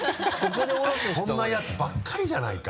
そんなヤツばっかりじゃないか。